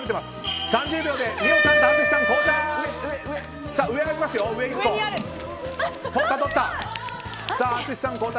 ３０秒なので美桜ちゃんと淳さん、交代。